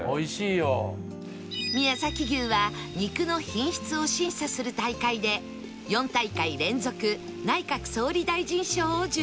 宮崎牛は肉の品質を審査する大会で４大会連続内閣総理大臣賞を受賞